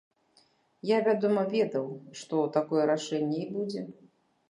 Я, вядома, ведаў, што такое рашэнне і будзе.